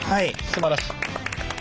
すばらしい。